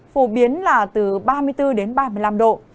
phổ biến là từ ba mươi bốn đến ba mươi năm độ